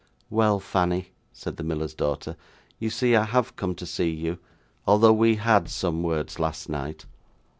'Well, Fanny,' said the miller's daughter, 'you see I have come to see you, although we HAD some words last night.